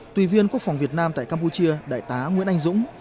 tùy viên quốc phòng việt nam tại campuchia đại tá nguyễn anh dũng